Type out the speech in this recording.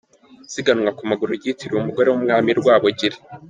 Isiganwa ku maguru ryitiriwe Umugore w’Umwami Rwabugiri